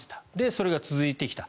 それが続いてきた。